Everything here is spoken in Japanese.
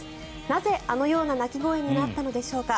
なぜ、あのような鳴き声になったのでしょうか。